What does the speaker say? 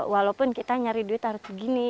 walaupun kita nyari duit harus segini